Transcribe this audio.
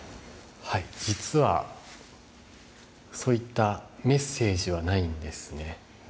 はい実はそういったメッセージはないんですね。